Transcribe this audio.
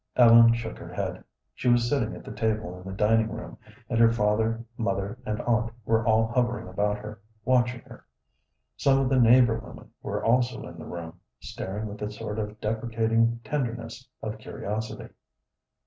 Ellen shook her head. She was sitting at the table in the dining room, and her father, mother, and aunt were all hovering about her, watching her. Some of the neighbor women were also in the room, staring with a sort of deprecating tenderness of curiosity.